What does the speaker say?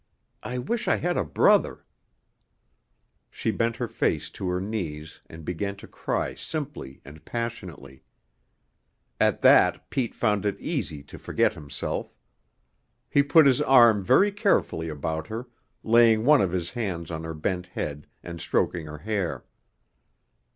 I wish I had a brother " She bent her face to her knees and began to cry simply and passionately. At that Pete found it easy to forget himself. He put his arm very carefully about her, laying one of his hands on her bent head and stroking her hair.